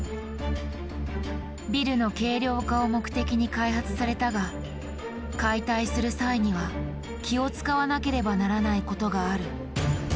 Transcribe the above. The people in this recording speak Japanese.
ビルの軽量化を目的に開発されたが解体する際には気を遣わなければならないことがある。